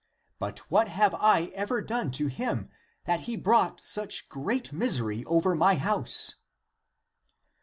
But what have I ever done to him that he brought such great misery over my house?